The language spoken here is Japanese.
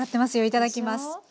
いただきます。